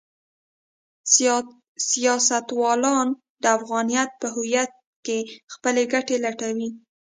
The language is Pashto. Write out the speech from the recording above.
سیاستوالان د افغانیت په هویت کې خپلې ګټې لټوي.